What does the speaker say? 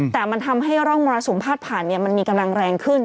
แต่มันทำให้ร่องมรสุมพาดผ่านมันมีกำลังแรงขึ้น